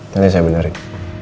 nanti saya benerin